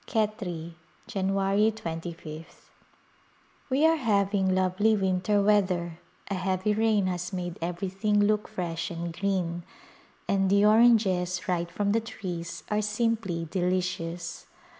Khetri^ Jan, 2^th. We are having lovely winter weather ; a heavy rain has made everything look fresh and green, and the oranges right from the trees are simply delicious.